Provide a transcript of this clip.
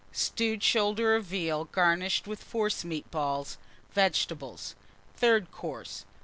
Stewed Shoulder of Veal, garnished with Forcemeat Balls. Vegetables. THIRD COURSE.